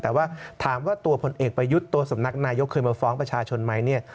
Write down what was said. แต่ว่าถามว่าตัวผลเอกประยุทธ์ตัวสำนักนายกเคยมาฟ้องประชาชนไหมเนี่ย